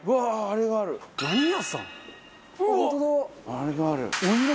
あれがある。